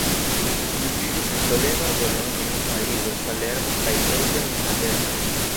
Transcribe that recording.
Li vivis en Toledo, Bolonjo, Parizo, Palermo kaj eble en Salerno.